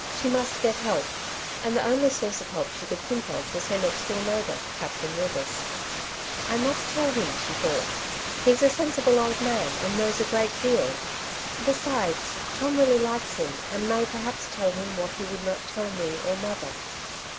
She must get help, and the only "source of help she could think of was her next door neighbour. Captain Rivers. '^ I must tell him,'' she thought j " he's a sensible old man, and knows a great deal. Besides, Tom really likes him, and may perhaps tell him what he would not tell me or mother."